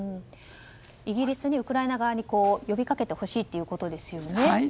イギリスにウクライナ側に呼びかけてほしいそうです。